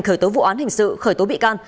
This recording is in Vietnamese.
khởi tố vụ án hình sự khởi tố bị can